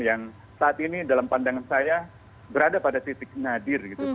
yang saat ini dalam pandangan saya berada pada titik nadir gitu